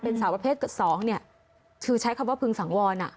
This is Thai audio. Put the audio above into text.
เป็นสาวประเภทสองเนี่ยคือใช้คำว่าพึงสังวรอ